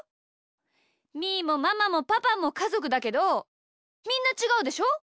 みーもママもパパもかぞくだけどみんなちがうでしょ？